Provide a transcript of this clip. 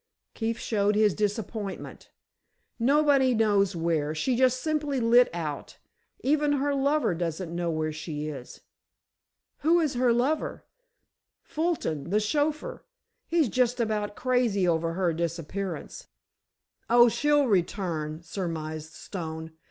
Keefe showed his disappointment. "Nobody knows where. She just simply lit out. Even her lover doesn't know where she is." "Who is her lover?" "Fulton, the chauffeur. He's just about crazy over her disappearance." "Oh, she'll return," surmised Stone.